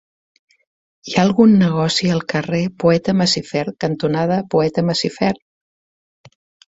Hi ha algun negoci al carrer Poeta Masifern cantonada Poeta Masifern?